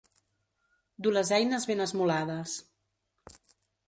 Dur les eines ben esmolades.